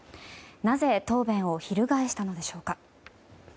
なぜ答弁を翻したのでしょうか。